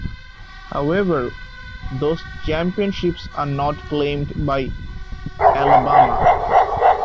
However, those championships are not claimed by Alabama.